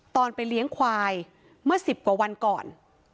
ตอนไปเลี้ยงควายเมื่อ๑๐กว่าวันก่อน